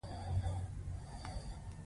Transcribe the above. د دغه حملو له امله